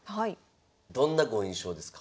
どんなご印象ですか？